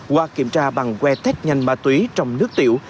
qua kiểm tra bằng que test nhanh ma túy trong nước tiểu